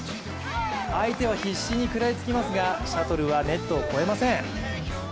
相手は必死に食らいつきますが、シャトルはネットを越えません。